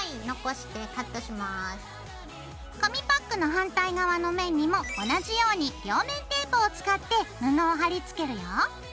紙パックの反対側の面にも同じように両面テープを使って布を貼り付けるよ。